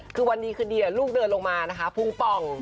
คือวันนี้คือดีลูกเดินลงมานะคะภู้มัล